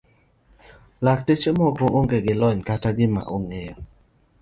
Lakteche moko onge gi lony kata gima ong'eyo.